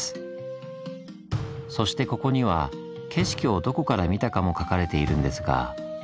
そしてここには景色をどこから見たかも書かれているんですが。